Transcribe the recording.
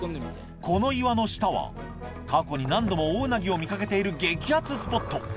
この岩の下は過去に何度もオオウナギを見かけている激熱スポット